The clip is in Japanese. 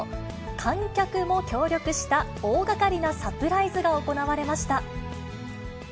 観客も協力した大がかりなサプライズが行われました。